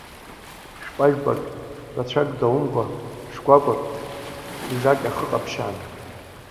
Шәпа-жәпак, рацәак даумкәа, шкәакәак, ижакьа хыҟаԥшьаан.